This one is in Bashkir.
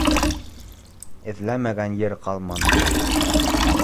Эҙләмәгән ер ҡалманы.